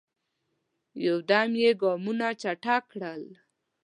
یو دم یې ګامونه چټک کړل.